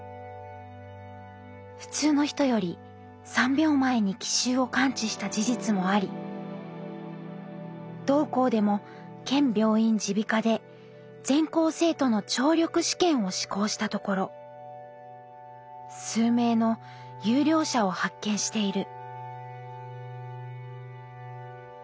「普通の人より三秒前に機襲を感知した事実もあり同校でも県病院耳鼻科で全校生徒の聴力試験を施行したところ数名の優良者を発見している」。